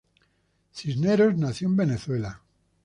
Cisneros nació en Venezuela.